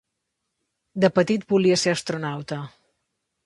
De petit volia ser astronauta.